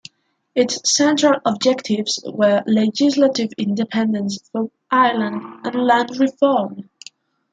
Its central objectives were legislative independence for Ireland and land reform.